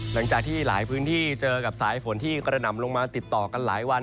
หลังจากที่หลายพื้นที่เจอกับสายฝนที่กระหน่ำลงมาติดต่อกันหลายวัน